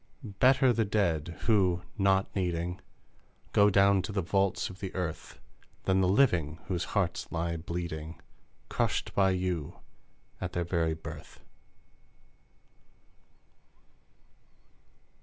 Better the dead, who, not needing, Go down to the vaults of the earth, Than the living whose hearts lie bleeding, Crushed by you at their very birth!